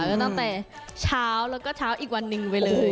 ก็ตั้งแต่เช้าแล้วก็เช้าอีกวันหนึ่งไปเลย